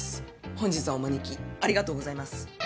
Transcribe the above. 本日はお招きありがとうございます。